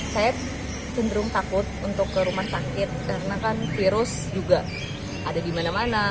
saya cenderung takut untuk ke rumah sakit karena kan virus juga ada di mana mana